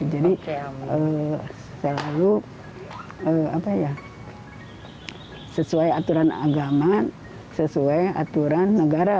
jadi selalu sesuai aturan agama sesuai aturan negara